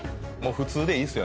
普通でいいです